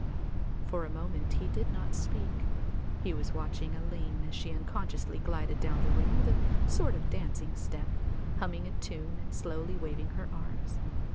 For a moment he did not speak; he was watching Aline as she unconsciously glided down the room with a sort of dancing step, humming a tune and slowly waving her arms.